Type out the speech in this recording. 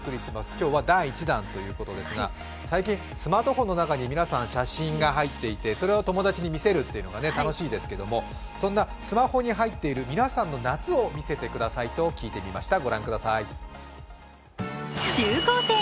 今日は第１弾ということですが最近、スマートフォンの中に写真が入っていてそれを友達に見せるというのが楽しいですけれども、そんなスマホに入っている皆さんの夏を見せてくださいと聞いてみました。